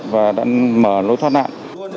và đã mở lối thoát nạn